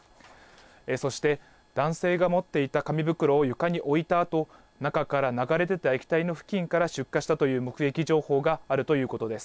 そして、男性が持っていた紙袋を床に置いたあと、中から流れ出た液体の付近から出火したという目撃情報があるということです。